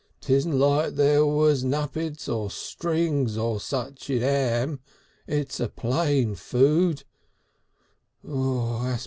'Tisn't like there was nubbicks or strings or such in 'am. It's a plain food.